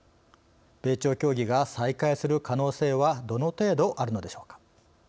米朝協議が再開する可能性はどの程度あるのでしょうか。